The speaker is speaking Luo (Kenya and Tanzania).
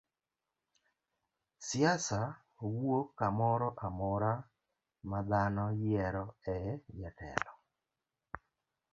Siasa wuok kamoro amora ma dhano yiero e jotelo.